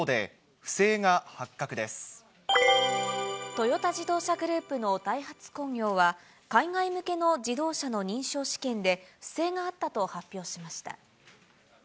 トヨタ自動車グループのダイハツ工業は、海外向けの自動車の認証試験で、不正があったと発表しました。